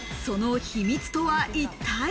その秘密とは一体。